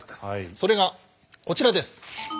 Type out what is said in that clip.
それがこちらです。